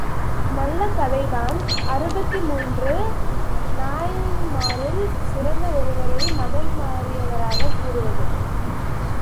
நல்ல கதைதான், அறுபத்து மூன்று நாயன்மாரில் சிறந்த ஒருவரையே மதம் மாறியவராகக் கூறுவது!